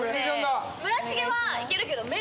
村重はいけるけど。